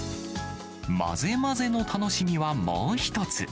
混ぜ混ぜの楽しみは、もう一つ。